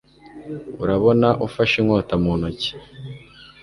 Urabona ufashe inkota mu ntoki